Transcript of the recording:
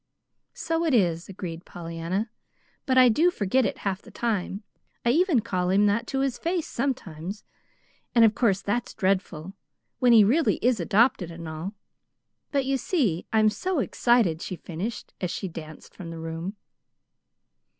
"So it is," agreed Pollyanna, "but I do forget it half the time. I even call him that to his face, sometimes, and of course that's dreadful, when he really is adopted, and all. But you see I'm so excited," she finished, as she danced from the room.